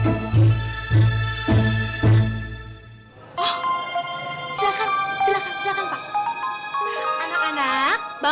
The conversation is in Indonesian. silahkan silahkan silahkan pak